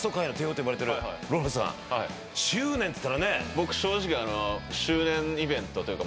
僕正直周年イベントというか。